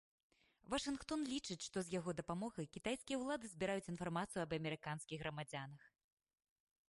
Вашынгтон лічыць, што з яго дапамогай кітайскія ўлады збіраюць інфармацыю аб амерыканскіх грамадзянах.